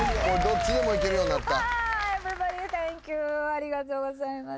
ありがとうございます。